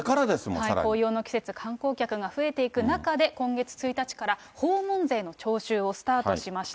紅葉の季節、観光客が増えていく中で、今月１日から訪問税の徴収をスタートしました。